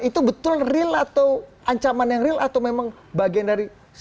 itu betul real atau ancaman yang real atau memang bagian dari